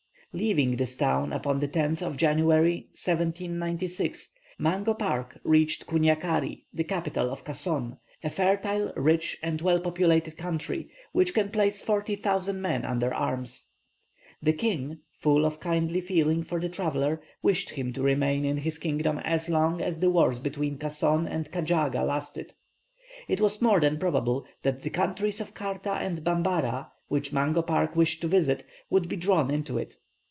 Leaving this town upon the 10th of January, 1796, Mungo Park reached Kouniakari, the capital of Kasson a fertile, rich, and well populated country, which can place forty thousand men under arms. The king, full of kindly feeling for the traveller, wished him to remain in his kingdom as long as the wars between Kasson and Kajaaga lasted. It was more than probable that the countries of Kaarta and Bambara, which Mungo Park wished to visit, would be drawn into it.